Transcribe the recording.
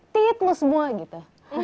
tit lo semua gitu